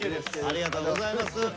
ありがとうございます。